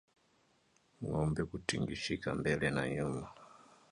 Ngombe kutingishika mbele na nyuma